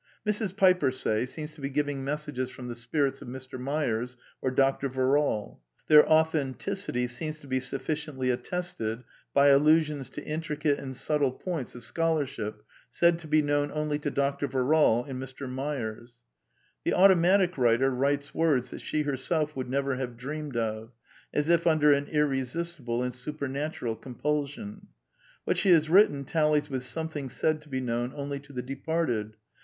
Mrs. Piper, say, seems to be giving messages from the spirits of Mr. Myers or Dr. Verrall. Their authenticity seems to be sufficiently attested by allusions to intricate and subtle points of scholarship said to be known only to Dr. Verrall and Mr. Myers. The automatic writer writes words that she herself would never have dreamed of, as if under an irresistible and supernatural compulsion. What she has written tallies with something said to be known only to the departed.